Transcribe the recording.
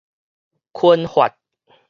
髡髮